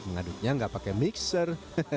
mengaduknya nggak pakai mixer